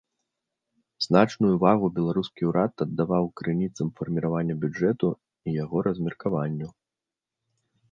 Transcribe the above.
Значную ўвагу беларускі ўрад аддаваў крыніцам фарміравання бюджэту і яго размеркаванню.